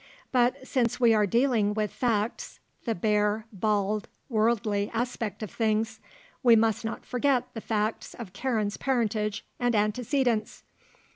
But, since we are dealing with, facts, the bare, bald, worldly aspects of things, we must not forget the facts of Karen's parentage and antecedents.